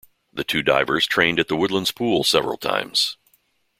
The two divers trained at the Woodland's Pool several times.